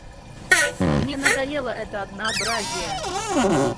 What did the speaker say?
Мне надоело это однообразие.